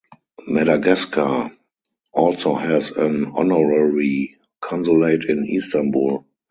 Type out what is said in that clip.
Madagascar also has an honorary consulate in Istanbul.